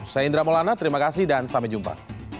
saya indra maulana terima kasih dan sampai jumpa